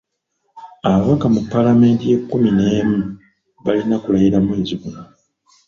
Ababaka mu Palamenti y'e kkumi n'emu balina kulayira mwezi guno.